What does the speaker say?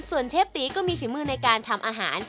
ส่วนเชฟตีก็มีฝีมือในการทำอาหาร